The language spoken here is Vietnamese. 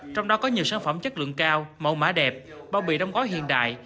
trong đó có nhiều sản phẩm chất lượng cao màu mã đẹp bao bị đông gói hiện đại